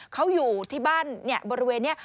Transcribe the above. เขาอยู่ที่บ้านเนี่ยบริเวณเนี่ย